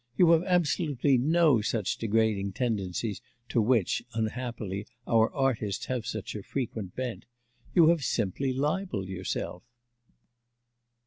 You have absolutely no such degrading tendencies to which, unhappily, our artists have such a frequent bent. You have simply libelled yourself.